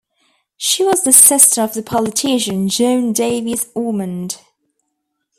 She was the sister of the politician John Davies Ormond.